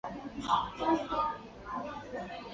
怀特在纽约市皇后区一个工人阶级家庭成长。